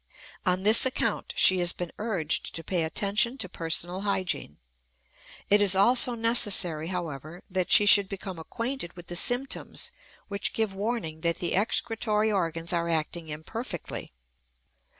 On this account she has been urged to pay attention to personal hygiene. It is also necessary, however, that she should become acquainted with the symptoms which give warning that the excretory organs are acting imperfectly.